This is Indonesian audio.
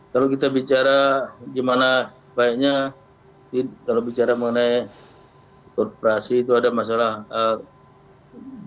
kalau kita bicara gimana sebaiknya kalau bicara mengenai korporasi itu ada masalah good corporate governance ya